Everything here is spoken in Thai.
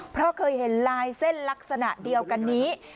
เพราะเคยเห็นลายเส้นลักษณะเดียวกันนี้